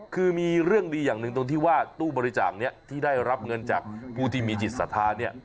คือมีเรื่องดีอย่างหนึ่งตรงที่ว่าตู้บริจาคนี้ที่ได้รับเงินจากผู้ที่มีจิตศรัทธาเนี่ย